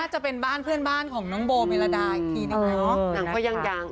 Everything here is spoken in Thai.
น่าจะเป็นบ้านเพื่อนบ้านของน้องโบยันเบอร์ยคิน